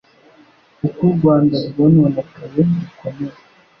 uko u Rwanda rwononekaye bikomeye